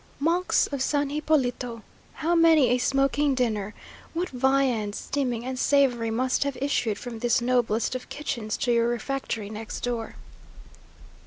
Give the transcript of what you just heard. Monks of San Hipólito! how many a smoking dinner, what viands steaming and savoury must have issued from this noblest of kitchens to your refectory next door.